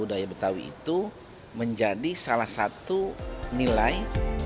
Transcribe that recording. budaya betawi itu menjadi salah satu nilai